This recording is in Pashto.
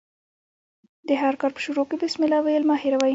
د هر کار په شروع کښي بسم الله ویل مه هېروئ!